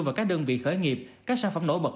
và các đơn vị khởi nghiệp các sản phẩm nổi bật